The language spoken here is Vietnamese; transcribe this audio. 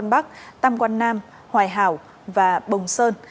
bắc tam quan nam hoài hảo và bồng sơn